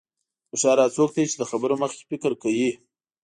هوښیار څوک دی چې د خبرو مخکې فکر کوي.